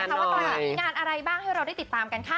งานอะไรบ้างให้เราได้ติดตามกันค่ะ